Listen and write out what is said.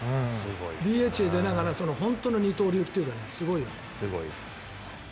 ＤＨで出ながら本当の二刀流というかすごいよね。